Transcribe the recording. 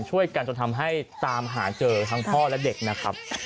ช่วยกันจนทำให้ตามหาเจอทั้งพ่อและเด็กนะครับ